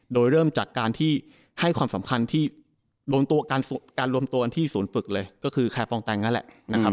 โดยเริ่มจากการให้ความสำคัญที่รวมตัวกันที่สูญฝึกเลยก็คือแคร์ฟองแตงนั่นแหละ